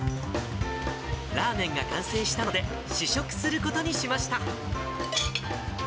ラーメンが完成したので、試食することにしました。